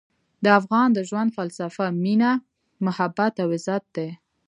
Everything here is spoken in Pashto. د افغان د ژوند فلسفه مینه، محبت او عزت دی.